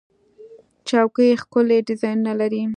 چوکۍ ښکلي ډیزاینونه لري.